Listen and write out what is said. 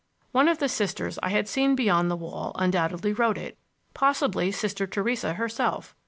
One of the Sisters I had seen beyond the wall undoubtedly wrote it—possibly Sister Theresa herself.